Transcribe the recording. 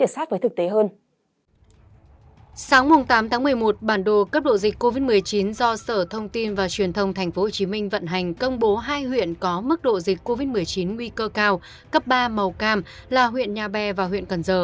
xin chào các bạn